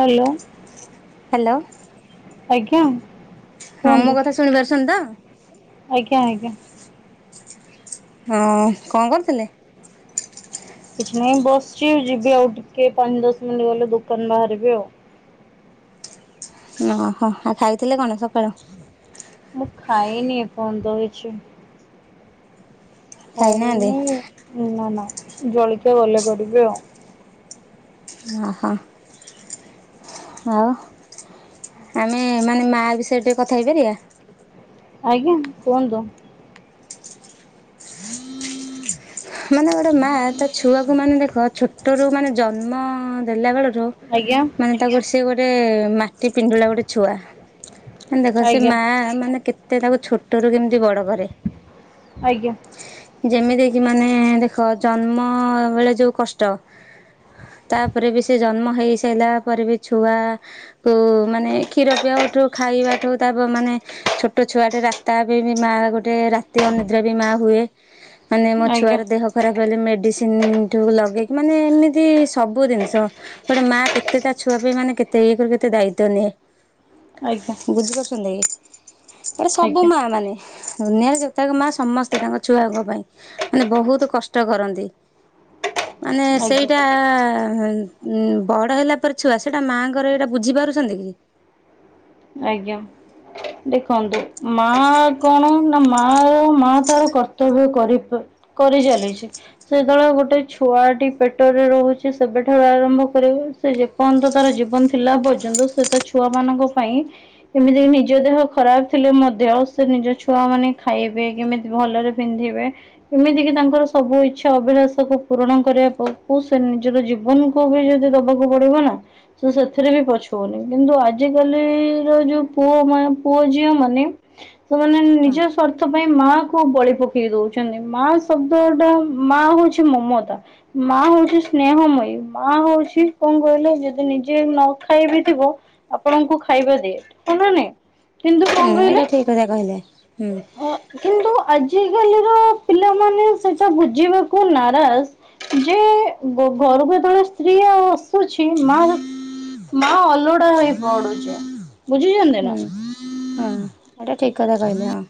Hello. Hello. ଆଜ୍ଞା। ହଁ କୁହନ୍ତୁ ମୋ କଥା ଶୁଣିପାରୁସନ୍ତି ତ? ଆଜ୍ଞା ଆଜ୍ଞା। ହଁ କଁ କରୁଥିଲେ? କିଛି ନାହିଁ ବସିଚି ଯିବି ଆଉ ଟିକେ ପାଞ୍ଚ ଦଶ ମିନିଟ୍ ଗଲେ ଦୋକାନ ବାହାରିବି ଆଉ। ଓହୋ, ଆଉ ଖାଇଥିଲେ କଣ ସକାଳୁ? ମୁଁ ଖାଇନି ଏପଯ୍ୟନ୍ତ କିଛି। ଖାଇନାହାନ୍ତି ଖାଇନି ନା ନା ଜଳଖିଆ ଗଲେ କରିବି ଆଉ। ଅ ହଁ। ଆଉ ଆମେ ମାନେ ମା ବିଷୟରେ ଟିକେ କଥା ହେଇପାରିଆ? ଆଜ୍ଞା କୁହନ୍ତୁ। ମାନେ ଗୋଟେ ମା ତା ଛୁଆକୁ ମାନେ ଦେଖ ଛୋଟରୁ ମାନେ ଜନ୍ମ ଦେଲା ବେଳଠୁ ଠୁରୁ ଆଜ୍ଞା ମାନେ ତାକୁ ସେ ଗୋଟେ ମାଟି ପିଣ୍ଡୁଳା ଗୋଟେ ଛୁଆ। ମାନେ ଦେଖ ସେ ଆଜ୍ଞା ମା ମାନେ କେତେ ତାକୁ ଛୋଟ ରୁ କେମିତି ବଡ କରେ। ଆଜ୍ଞା। ଯେମିତି କିି ମାନେ ଦେଖ ଜନ୍ମ ବେଳେ ଯୋଉ କଷ୍ଟ। ତାପରେ ବି ସେ ଜନ୍ମ ହେଇ ସାରିଲା ପରେ ବି ଛୁଆ କୁ ମାନେ କ୍ଷୀର ପିଆଠୁ ଖାଇବାଠୁ ତାପ୍ ମାନେ ଛୋଟ ଛୁଆଟେ ରାତା ବି ମା ଗୋଟେ ରାତି ଅନିଦ୍ରା ବି ମା ହୁଏ। ମାନେ ମୋ ଆଜ୍ଞା ଛୁଆର ଦେହ ଖରାପ ହେଲେ ମେଡିସିନ୍ ଠୁ ଲଗେଇକି ମାନେ ଏମିତି ସବୁ ଜିନିଷ ଗୋଟେ ମା କେତେ ତା ଛୁଆ ପାଇଁ ମାନେ କେତେ ଇଏ କରିକି କେତେ ଦାୟିତ୍ୱ ନିଏ। ଆଜ୍ଞା ଆଜ୍ଞା ବୁଝିପାରୁଚନ୍ତି କି? ମାନେ ସବୁ ଆଜ୍ଞା ମା ମାନେ ଦୁନିଆ ଯୋଉ ଯେତକ ମା ସମସ୍ତେ ତାଙ୍କ ଛୁଆଙ୍କ ପାଇଁ ମାନେ ବହୁତ୍ କଷ୍ଟ କରନ୍ତି। ମାନେ ଆଜ୍ଞା ସେଇଟା ଉଁ ବଡ ହେଲା ପରେ ଛୁଆ ସେଟା ମାଆଙ୍କର ଇଏଟା ବୁଝିପାରୁଛନ୍ତି କି? ଆଜ୍ଞା। ଦେଖନ୍ତୁ ମା କଣ ନା ମା ମା ତାର କର୍ତ୍ତବ୍ୟ କରିବ୍ କରି ଚାଲିଛି। ସେତେବେଳେ ଗୋଟେ ଛୁଆଟି ପେଟରେ ରହୁଚି ସେବେ ଠାରୁ ଆରମ୍ଭ କରିକି ସେ ଯେପର୍ଯ୍ୟନ୍ତ ତାର ଜୀବନ ଥିଲା ପର୍ଯ୍ୟନ୍ତ ସେ ତା ଛୁଆ ମାନଙ୍କ ପାଇଁ ଏମିତି କି ନିଜ ଦେହ ଖରାପ ଥିଲେ ମଧ୍ୟ ସେ ନିଜ ଛୁଆ ମାନେ ଖାଇବେ କେମିତି ଭଲରେ ପିନ୍ଧିବେ। ଏମିତିକି ତାଙ୍କର ସବୁ ଇଚ୍ଛା ଅଭିଳାଷକୁ ପୂରଣ କରିଆକୁ ସେ ନିଜର ଜୀବନକୁ ବି ଯଦି ଦବାକୁ ପଡିବ ନା ସେ ସେଥିରେ ବି ପଛଉନି। କିନ୍ତୁ ଆଜି କାଲିର ଯୋଉ ପୁଅ ବୋଉ ପୁଅ ଝିଅ ମାନେ ସେମାନେ ହଁ। ନିଜସ୍ ସ୍ୱାର୍ଥ ପାଇଁ ମା କୁ ବଳି ପକେଇ ଦଉଚନ୍ତି ମା ଶବ୍ଦଟା ମା ହଉଚି ମମତା। ମା ହଉଚି ସ୍ନେହମୟୀ ମା ହଉଚି କଁ କହିଲ ଯଦି ନିଜେ ନ ଖାଇ ବିି ଥିବ। ଆପଣଙ୍କୁ ଖାଇବା ଦିଏ ହଁ ନା ନାଇଁ, କିନ୍ତୁ କଣ ହୁଁ କହିଲ? ଏଇଟା ଠିକ କଥା କହିଲେ ହୁଁ କିନ୍ତୁ ଆଜିକାଲିରେ ପିଲାମାନେ ସେଇଟା ବୁଝିବାକୁ ନାରାଜ୍। ଯେ ଘରକୁ ଯେତେବେଳେ ସ୍ତ୍ରୀ ଆଉ ଆସୁଛି। ମା ମା ଅଲୋଡା ହେଇପଡୁଚି ବୁଝିଚନ୍ତି ନା। ହୁଁ ହଁ, ଏଇଟା ଠିକ୍ କଥା କହିଲେ ହଁ।